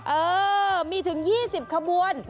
เออมีถึง๒๐ขบวน